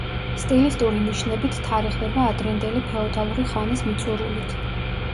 სტილისტური ნიშნებით თარიღდება ადრინდელი ფეოდალური ხანის მიწურულით.